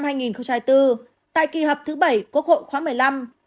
tại kỳ họp thứ bảy quốc hội khóa một mươi năm